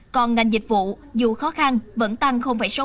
còn ngành dịch vụ dù khó khăn vẫn tăng sáu mươi bảy